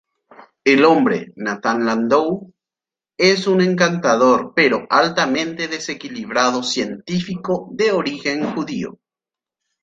El hombre, Nathan Landau, es un encantador pero altamente desequilibrado científico de origen judío.